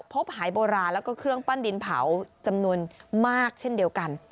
พบหายโบราณแล้วก็เครื่องปั้นดินเผาจำนวนมากเช่นเดียวกัน